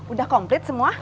udah komplit semua